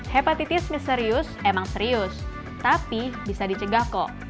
hepatitis misterius emang serius tapi bisa dicegah kok